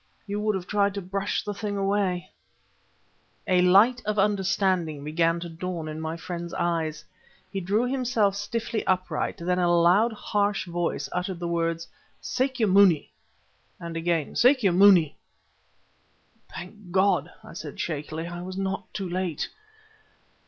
You would have tried to brush the thing away ..." A light of understanding began to dawn in my friend's eyes. He drew himself stiffly upright, and in a loud, harsh voice uttered the words: "Sâkya Mûni" and again: "Sâkya Mûni." "Thank God!" I said shakily. "I was not too late."